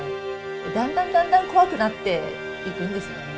だんだんだんだん怖くなっていくんですよね。